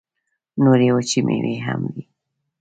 نورې وچې مېوې هم وې.